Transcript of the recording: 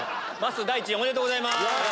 第１位おめでとうございます！